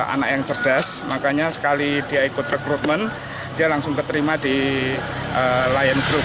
anak yang cerdas makanya sekali dia ikut rekrutmen dia langsung keterima di lion group